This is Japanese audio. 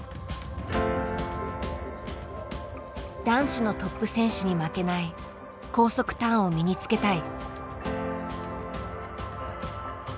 男子のトップ選手に負けない高速ターンを身につけたい。